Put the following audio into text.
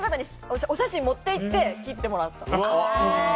お写真持ってって切ってもらった。